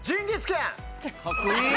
かっこいい。